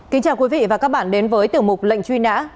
kính chào quý vị và các bạn đến với tiểu mục lệnh truy nã